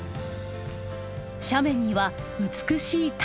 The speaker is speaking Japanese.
斜面には美しい棚田。